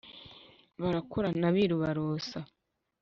barakorana abiru barosa,